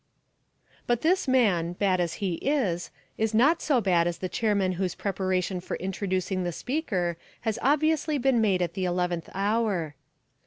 But this man, bad as he is, is not so bad as the chairman whose preparation for introducing the speaker has obviously been made at the eleventh hour.